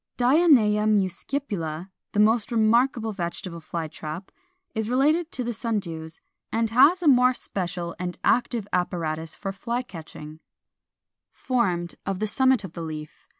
] 478. Dionæa muscipula, the most remarkable vegetable fly trap (Fig. 176, 492), is related to the Sundews, and has a more special and active apparatus for fly catching, formed of the summit of the leaf.